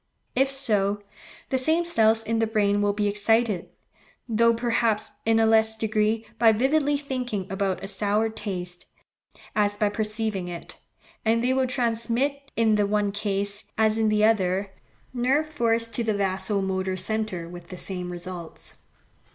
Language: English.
If so, the same cells in the brain will be excited, though, perhaps, in a less degree, by vividly thinking about a sour taste, as by perceiving it; and they will transmit in the one case, as in the other, nerve force to the vaso motor centre with the same results.